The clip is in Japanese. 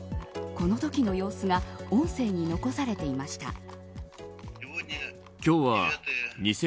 このときの様子が音声に残されていました。